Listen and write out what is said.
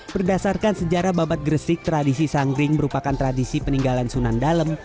berdasarkan sejarah babat gresik tradisi sanggring merupakan tradisi peninggalan sunan dalem